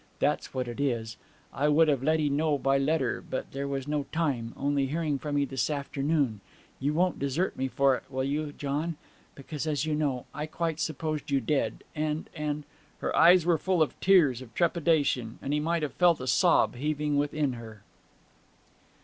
That's what it is! I would have let 'ee know by letter, but there was no time, only hearing from 'ee this afternoon ... You won't desert me for it, will you, John? Because, as you know, I quite supposed you dead, and and ' Her eyes were full of tears of trepidation, and he might have felt a sob heaving within her.